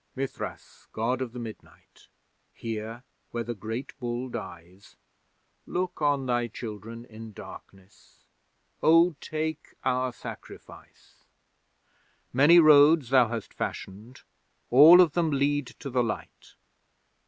Mithras, God of the Midnight, here where the great bull dies, Look on Thy children in darkness. Oh, take our sacrifice! Many roads Thou hast fashioned: all of them lead to the Light!